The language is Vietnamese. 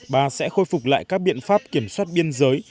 bà sẽ khôi phục lại các biện pháp kiểm soát biên giới